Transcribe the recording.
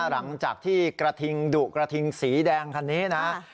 หลังจากที่กระทิงดุกระทิงสีแดงคันนี้นะ